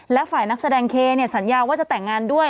และฝ่ายนักแสดงเคสัญญาว่าจะแต่งงานด้วย